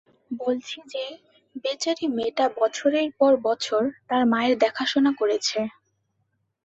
বলছি যে, বেচারি মেয়েটা বছরের পর বছর তার মায়ের দেখাশোনা করেছে।